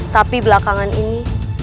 tapi belakangan ini